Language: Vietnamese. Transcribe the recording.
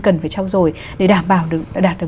cần phải trao dồi để đảm bảo đạt được